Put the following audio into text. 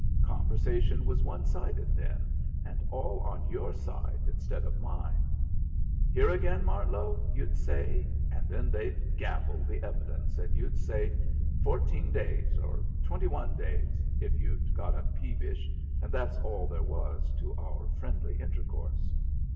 Conversation was one sided then, and all on your side instead of mine. 'Here again, Martlow,' you'd say, and then they'd gabble the evidence, and you'd say 'fourteen days' or 'twenty one days,' if you'd got up peevish and that's all there was to our friendly intercourse.